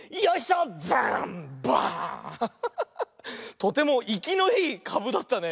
とてもいきのいいかぶだったね。